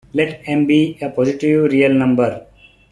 Let "M" be a positive real number.